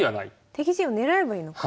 敵陣を狙えばいいのか。